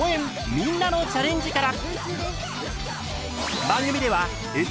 みんなのチャレンジ」から！